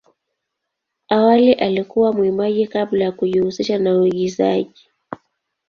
Awali alikuwa mwimbaji kabla ya kujihusisha na uigizaji.